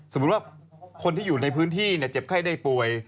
สมมุติว่าคนที่อยู่ในพื้นที่เจ็บไข้ได้ป่วย